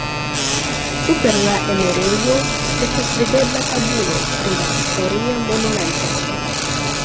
Super la enirejo estas videbla tabulo pri la historia monumento.